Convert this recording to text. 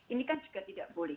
ini kan juga tidak boleh